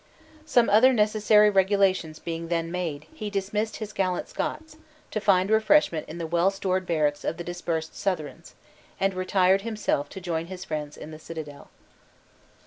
Some other necessary regulations being then made, he dismissed his gallant Scots, to find refreshment in the well stored barracks of the dispersed Southrons, and retired himself to join his friends in the citadel.